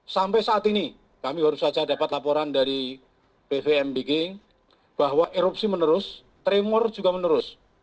sampai saat ini kami baru saja dapat laporan dari bvmbg bahwa erupsi menerus tremor juga menerus